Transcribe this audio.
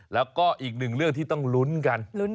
แล้วก็อีกหนึ่งเรื่องที่ต้องลุ้นกัน